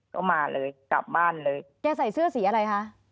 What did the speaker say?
ก็มาเลยกลับบ้านเลย